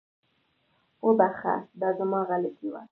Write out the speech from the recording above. وبخښه، دا زما غلطي وه